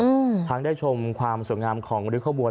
แล้วก็ถือฉันอยากได้ชมความสวยงามของลูกขบวน